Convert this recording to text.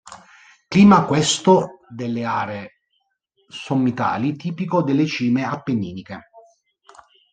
Clima questo delle aree sommitali tipico delle cime appenniniche.